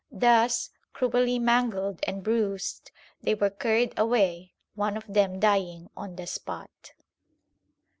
Thus, cruelly mangled and bruised, they were carried away, one of them dying on the spot.